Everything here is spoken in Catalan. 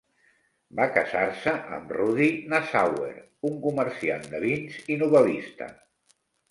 Va casar-se amb Rudi Nassauer, un comerciant de vins i novel·lista.